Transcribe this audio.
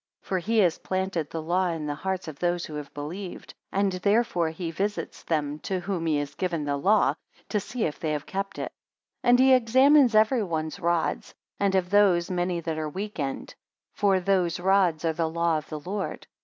For he has planted the law in the hearts of those who have believed: and therefore he visits them to whom lie has given the law, to see if they have kept it. 26 And he examines every one's rod; and of those, many that are weakened: for those rods are the law of the Lord.